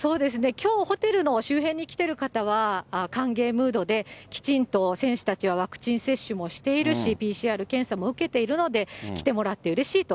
きょうホテルの周辺に来ている方は歓迎ムードで、きちんと選手たちはワクチン接種もしているし、ＰＣＲ検査も受けているので、来てもらってうれしいと。